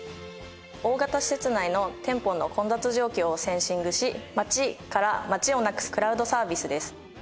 大型施設内の店舗の混雑状況をセンシングし「街」から「待ち」をなくすクラウドサービスです。